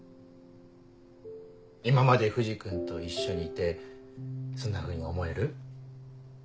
今まで藤君と一緒にいてそんなふうに思える？